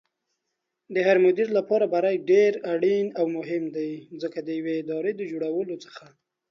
هرمدير لپاره بری ډېر اړين او مهم دی ځکه ديوې ادارې دجوړېدلو څخه